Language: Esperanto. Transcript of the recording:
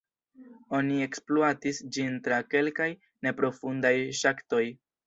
Oni ekspluatis ĝin tra kelkaj neprofundaj ŝaktoj.